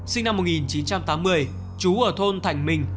sinh năm một nghìn chín trăm tám mươi chú ở thôn thành mình